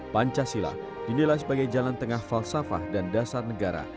pancasila dinilai sebagai jalan tengah falsafah dan dasar negara